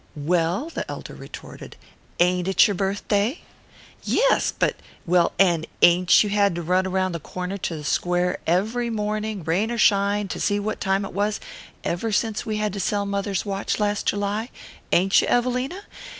"Well," the elder retorted, "AIN'T it your birthday?" "Yes, but " "Well, and ain't you had to run round the corner to the Square every morning, rain or shine, to see what time it was, ever since we had to sell mother's watch last July? Ain't you, Evelina?"